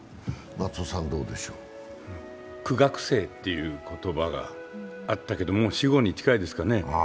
苦学生っていう言葉があったけれども、もう死語に近いですかね。